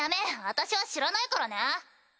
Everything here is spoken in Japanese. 私は知らないからね？